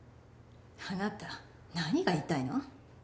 あなた何が言いたいの？